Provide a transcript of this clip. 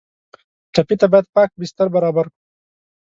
ټپي ته باید پاک بستر برابر کړو.